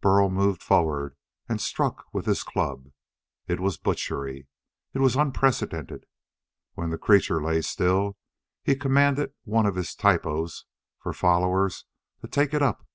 Burl moved forward and struck with his club. It was butchery. It was unprecedented. When the creature lay still he commanded one of his typo for followers to take it up.